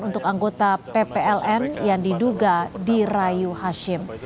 untuk anggota ppln yang diduga dirayu hashim